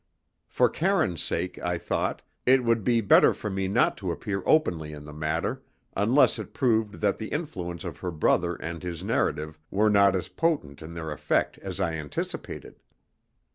For Karine's sake, I thought, it would be better for me not to appear openly in the matter, unless it proved that the influence of her brother and his narrative were not as potent in their effect as I anticipated.